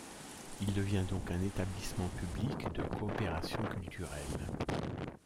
Il devient donc un établissement public de coopération culturelle.